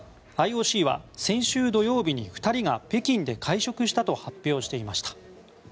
ＩＯＣは先週土曜日に２人が北京で会食したと発表していました。